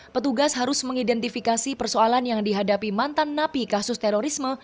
petugas harus mengidentifikasi persoalan yang dihadapi mantan napi kasus terorisme